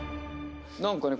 何かね